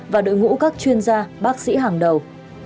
và đội ngũ các chuyên gia bác sĩ hàng đầu